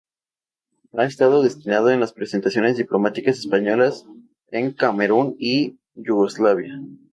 Ha estado destinado en las representaciones diplomáticas españolas en Camerún y Yugoslavia.